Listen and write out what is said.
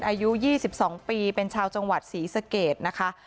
อายุ๒๒ปีเป็นชาวจังหวัดศรีสะเกดนะคะ